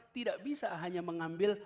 tidak bisa hanya mengambil